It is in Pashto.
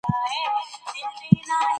تاسو باید د وطن په بیا رغونه کي ونډه واخلئ.